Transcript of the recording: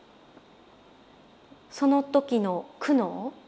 その時の苦悩。